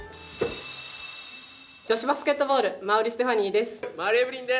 女子バスケットボール、馬瓜ステファニーです。